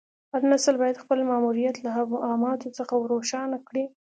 هر نسل باید خپل ماموریت له ابهاماتو څخه روښانه کړي.